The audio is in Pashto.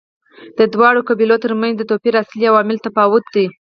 د دواړو قبیلو ترمنځ د توپیر اصلي عامل تفاوت دی.